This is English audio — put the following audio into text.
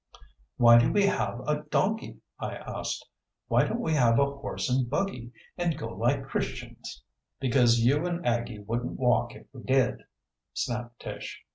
"Why do we have a donkey?" I asked. "Why don't we have a horse and buggy, and go like Christians?" "Because you and Aggie wouldn't walk if we did," snapped Tish.